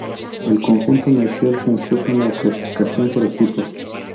El conjunto Mercier se impuso en la clasificación por equipos.